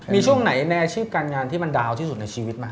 มีช่วงไหนในอาชีพการงานที่มันดาวที่สุดในชีวิตไหม